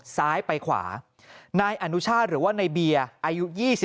ซ้ายไปขวานายอนุชาติหรือว่าในเบียร์อายุ๒๓